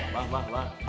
abah abah abah